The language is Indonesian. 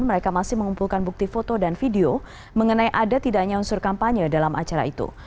mereka masih mengumpulkan bukti foto dan video mengenai ada tidaknya unsur kampanye dalam acara itu